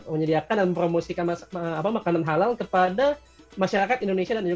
menyediakan dan mempromosikan makanan halal kepada masyarakat indonesia dan indonesia